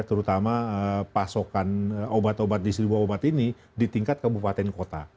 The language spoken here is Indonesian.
terutama pasokan obat obat di seribu obat ini di tingkat kabupaten kota